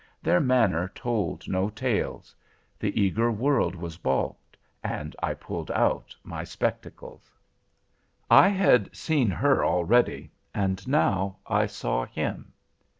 Their manner told no tales. The eager world was balked, and I pulled out my spectacles. "I had seen her, already, and now I saw him.